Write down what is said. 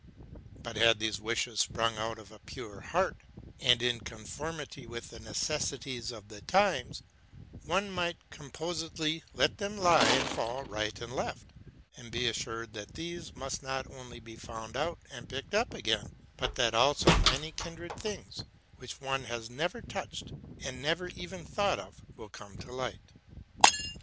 But had these wishes sprung out of a pure heart, and in conformity with the necessities of the times, one might com posedly let them lie and fall right and left, and be assured that these must not only be found out and picked up again, but that also many kindred things, which one has never touched and never even thought of, will come to light.